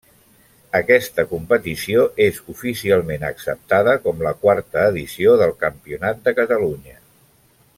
Aquesta competició és oficialment acceptada com la quarta edició del Campionat de Catalunya.